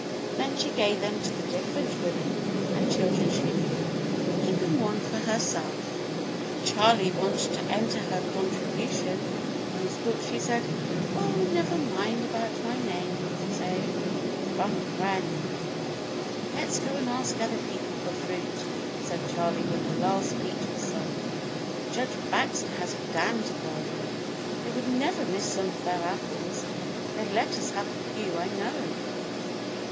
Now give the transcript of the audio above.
Then she gave them to the different women and chil dren she knew, keeping one for herself. When Charley wanted to enter her contribution 114 THE BLUE AUNT in his book she said, "Oh, never mind about my name; say *From a friend.'" "Let's go and ask other people for fruit," said Charley when the last peach was sold. "Judge Bax ter has a dandy garden. They would never miss some of their apples. They'd let us have a few, I know."